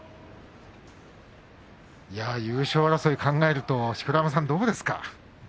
優勝争いを考えると錣山さん、どうですか。